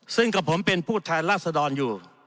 ซึ่งกับผมเป็นผู้ทายราชดอนอยู่